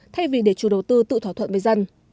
thay vì để chủ đầu tư tự thỏa thuận với dân